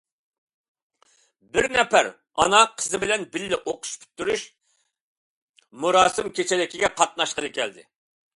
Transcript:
بىر نەپەر ئانا قىزى بىلەن بىللە بۇ ئوقۇش پۈتتۈرۈش تانسا كېچىلىكىگە قاتناشقىلى كەلدى.